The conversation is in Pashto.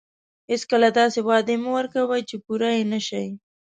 هیڅکله داسې وعدې مه ورکوئ چې پوره یې نه شئ.